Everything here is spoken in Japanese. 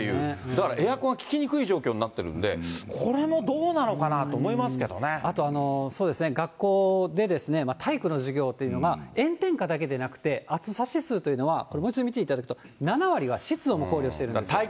だからエアコンが利きにくい状況になってきているので、これもどあと、学校で、体育の授業というのが、炎天下だけでなくて、暑さ指数というのは、これもう一度見ていただくと、７割が湿度も考慮してるんですよ。